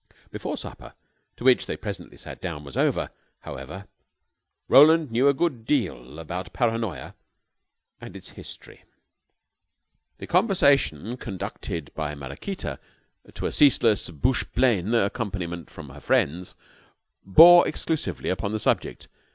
Before supper, to which they presently sat down, was over, however, Roland knew a good deal about Paranoya and its history. The conversation conducted by Maraquita to a ceaseless bouche pleine accompaniment from her friends bore exclusively upon the subject.